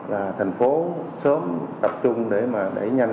dự án được thực hiện dưới ba giai đoạn